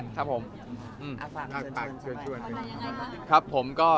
อีกวันหน่อยยังไงครับครับผมก็